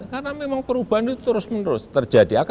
karena memang perubahan itu terus menerus terjadi